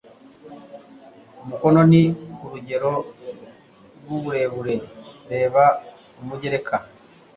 umukono ni urugero rw uburebure reba umugereka